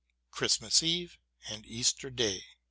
Christmas Eve " and " Easter Day."